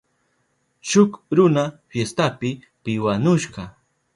Shuk runa fiestapi piwanushka.